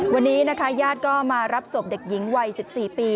วันนี้นะคะญาติก็มารับศพเด็กหญิงวัย๑๔ปี